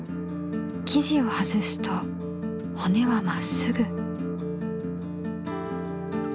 生地を外すとほねはまっすぐ。